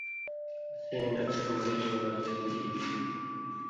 اسی ہِن اکثرمریضؤں لا ژر نی اےتھی۔